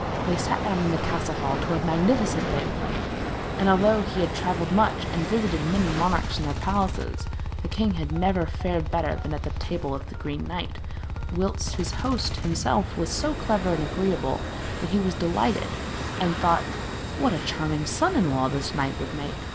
They sat down in the castle hall to a magnificent banquet, and although he had travelled much and visited many monarchs in their palaces, the king had never fared better than at the table of the Green Knight, whilst his host himself was so clever and agreeable, that he was delighted, and thought 'what a charming son in law this knight would make!'